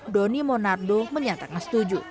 doni monardo menyatakan